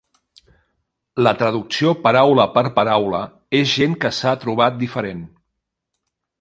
La traducció paraula per paraula és gent que s'ha trobat diferent.